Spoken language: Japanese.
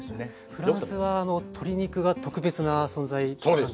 フランスは鶏肉が特別な存在なんですか？